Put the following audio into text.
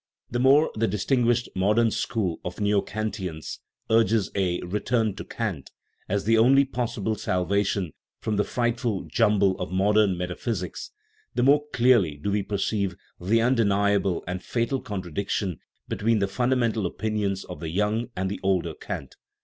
The more the distinguished modern school of " Neokant ians " urges a a return to Kant " as the only possible salvation from the frightful jumble of modern meta physics, the more clearly do we perceive the undeniable and fatal contradiction between the fundamental opin ions of the young and the older Kant.